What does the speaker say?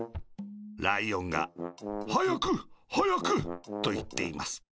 ライオンが「はやくはやく」といっています。